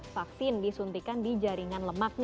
vaksin disuntikan di jaringan lemaknya